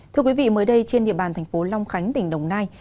thưa quý vị mới đây trên địa bàn thành phố long khánh tỉnh đồng nai